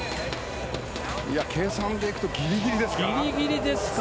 計算でいくとギリギリですか。